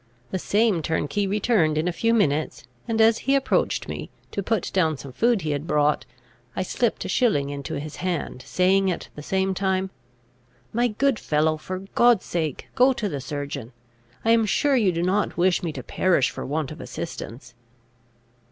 The same turnkey returned in a few minutes; and, as he approached me, to put down some food he had brought, I slipped a shilling into his hand, saying at the same time, "My good fellow, for God's sake, go to the surgeon; I am sure you do not wish me to perish for want of assistance."